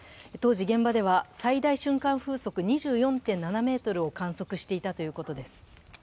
当時、現場では最大瞬間風速２４．７メートルを観測していたということです。